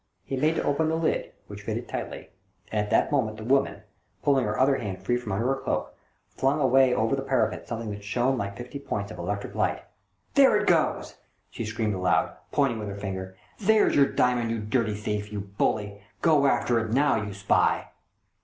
He made to open the lid, which fitted tightly, and at that moment the woman, pulling her other hand free from under her cloak, flung away over the parapet something that shone like fifty points of electric light. " There it goes !" she screamed aloud, pointing with her finger. " There's your diamond, you dirty thief ! You bully ! Go after it now, you spy